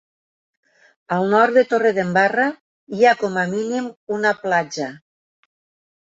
Al nord de Torredembarra hi ha com a mínim una platja.